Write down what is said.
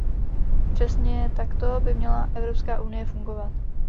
Přesně takto by měla Evropská unie fungovat.